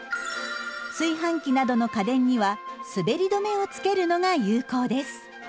炊飯器などの家電には滑り止めをつけるのが有効です。